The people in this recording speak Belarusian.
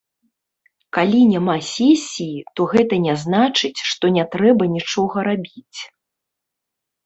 Калі няма сесіі, то гэта не значыць, што не трэба нічога рабіць.